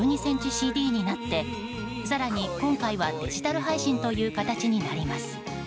ｃｍＣＤになって更に今回はデジタル配信という形になります。